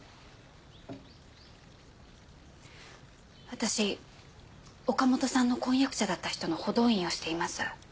私岡本さんの婚約者だった人の補導員をしています。